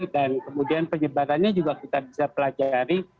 dan kemudian penyebarannya juga kita bisa pelajari